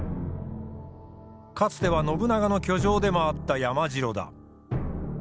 かつては信長の居城でもあった山城だ。